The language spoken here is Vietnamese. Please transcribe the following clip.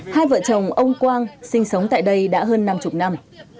hai vợ chồng ông quang sinh sống tại đây đã hơn năm mươi năm